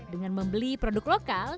dengan membeli produk lokal